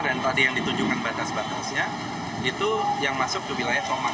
tadi yang ditunjukkan batas batasnya itu yang masuk ke wilayah somang